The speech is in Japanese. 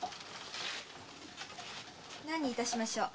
何に致しましょう？